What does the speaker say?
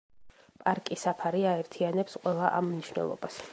პარკი საფარი აერთიანებს ყველა ამ მნიშვნელობას.